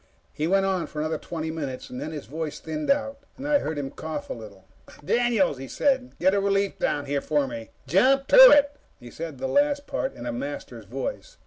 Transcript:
He went on for another twenty minutes. Then his voice thinned out, and I heard him cough a little. "Daniels," he said, "get a relief down here for me. Jump to it!" He said the last part in a Master's voice.